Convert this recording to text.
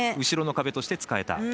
後ろの壁として使えた。